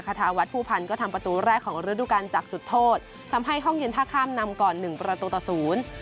ทาวัฒนภูพันธ์ก็ทำประตูแรกของฤดูการจากจุดโทษทำให้ห้องเย็นท่าข้ามนำก่อนหนึ่งประตูต่อศูนย์